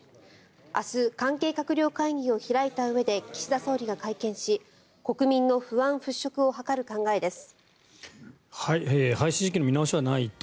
明日関係閣僚会議を開いたうえで岸田総理が会見し国民の不安払しょくを図る考えです。